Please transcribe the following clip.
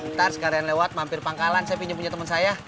ntar sekalian lewat mampir pangkalan saya pinjam punya teman saya